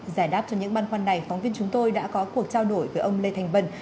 giải đáp cho những băn khoăn này phóng viên chúng tôi đã có cuộc trao đổi với ông lê thành vân